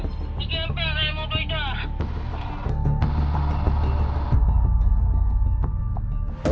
dikempel saya mau duit dah